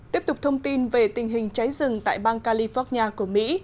tiếp tục thông tin về tình hình cháy rừng tại bang california của mỹ